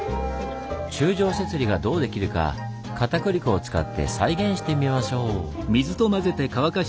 柱状節理がどうできるかかたくり粉を使って再現してみましょう。